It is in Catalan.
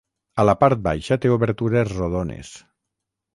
A la part baixa té obertures rodones.